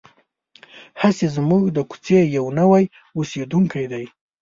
هسې زموږ د کوڅې یو نوی اوسېدونکی دی.